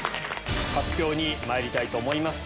発表にまいりたいと思います。